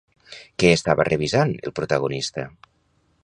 Què estava revisant el protagonista?